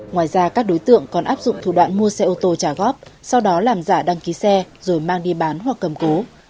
ngoài ra các đối tượng còn áp dụng thủ đoạn mua xe ô tô trả góp sau đó làm giả đăng ký xe rồi mang đi bán hoặc cầm cố